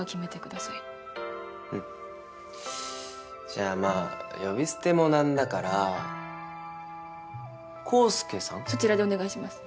じゃあまあ呼び捨てもなんだから「康介さん」。そちらでお願いします。